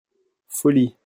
Follie.